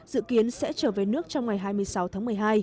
dự kiến sẽ trở về nước trong ngày hai mươi sáu tháng một mươi hai